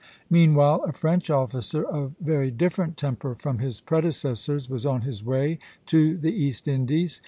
Meanwhile a French officer of very different temper from his predecessors was on his way to the East Indies.